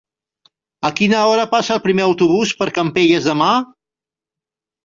A quina hora passa el primer autobús per Campelles demà?